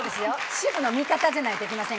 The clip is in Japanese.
主婦の味方じゃないといけませんからね。